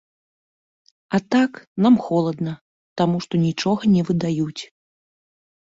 А так, нам холадна, таму што нічога не выдаюць.